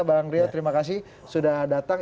bang rio terima kasih sudah datang